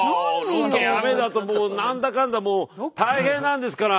ロケ雨だともう何だかんだもう大変なんですから。